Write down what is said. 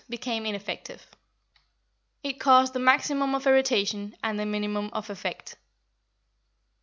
became ineffective. It caused the maximum of irritation and the minimum of effect.